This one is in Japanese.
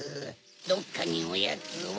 どっかにおやつは。